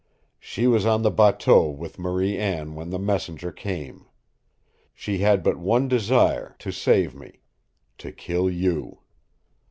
She was on the bateau with Marie Anne when the messenger came. She had but one desire to save me to kill you.